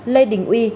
lê đình uy